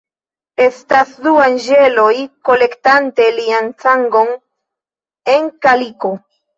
Estas du anĝeloj kolektante lian sangon en kaliko.